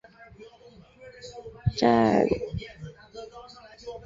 湛江雌盘吸虫为微茎科雌盘属的动物。